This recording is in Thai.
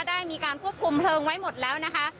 ได้มีการควบคุมเพลิงไว้หมดแล้วนะคะ